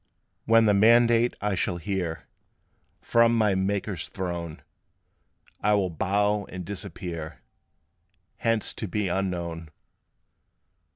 "When the mandate I shall hear From my Maker's throne, I will bow and disappear, Hence to be unknown."